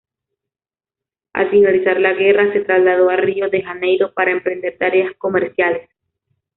Al finalizar la guerra se trasladó a Río de Janeiro para emprender tareas comerciales.